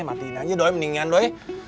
matiin aja doi mendingan doi